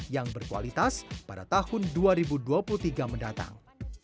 yang berkualitas pada tahun dua ribu dua puluh tiga mendatang